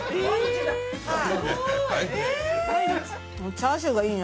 チャーシューがいいな。